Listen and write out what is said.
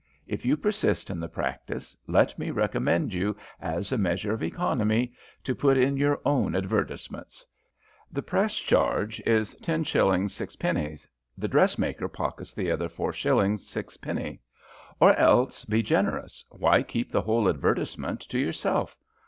If you persist in the practice, let me recommend you, as a measure of economy, to put in your own advertisements. The press charge is 10s. 6d.; the dressmaker pockets the other 4s. 6d. Or else be generous: why keep the whole advertisement to yourself?